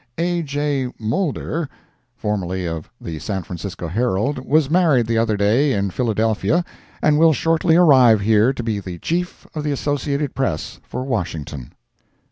A. J. Moulder, formerly of the San Francisco Herald, was married the other day in Philadelphia, and will shortly arrive here to be chief of the Associated Press for Washington.